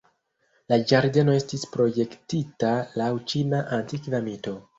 La ĝardeno estis projektita laŭ ĉina antikva mito.